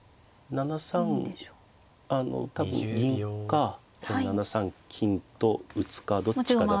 ７三あの多分銀か７三金と打つかどっちかだと。